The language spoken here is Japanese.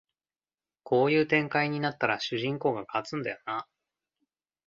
こういう展開になったら主人公が勝つんだよなあ